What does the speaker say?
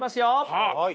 はい！